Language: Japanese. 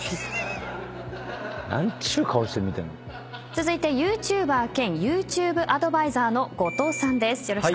続いてＹｏｕＴｕｂｅｒ兼ＹｏｕＴｕｂｅアドバイザーの後藤さんです。